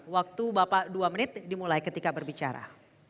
waktu bapak dua menit dimulai ketika berbicara